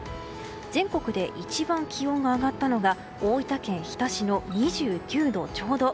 全国で一番気温が上がったのが大分県日田市の２９度ちょうど。